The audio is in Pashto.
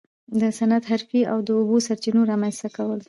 د صنعت، حرفې او د اوبو سرچینو رامنځته کول.